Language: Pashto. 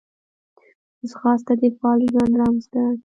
ځغاسته د فعال ژوند رمز ده